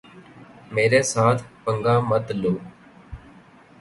میرے ساتھ پنگا مت لو۔